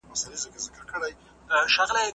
مونږ بايد تر کليشه يي کتابونو نوي اثار ولولو.